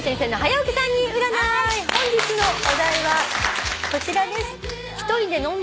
本日のお題はこちらです。